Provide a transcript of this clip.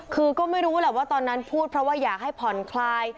คือก็ไม่รู้แหละว่าตอนนั้นพูดเพราะว่าอยากให้ผ่อนคลาย